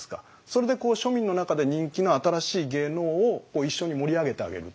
それで庶民の中で人気の新しい芸能を一緒に盛り上げてあげる。